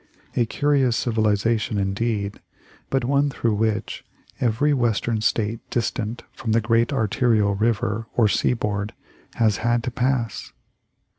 A curious civilization indeed, but one through which every Western State distant from the great arterial river or seaboard has had to pass.